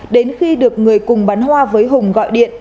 đến khi được người cùng bán hoa với hùng gọi điện